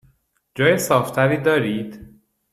جای صاف تری دارید؟